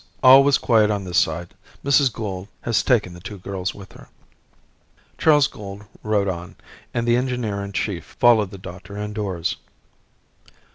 All was quiet on this side. Mrs. Gould has taken the two girls with her." Charles Gould rode on, and the engineer in chief followed the doctor indoors.